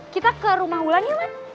kita ke rumah wulan ya man